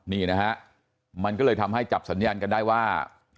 นี่นะฮะมันก็เลยทำให้จับสัญญาณกันได้ว่า